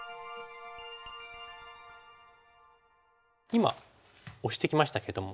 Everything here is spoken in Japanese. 今オシてきましたけども。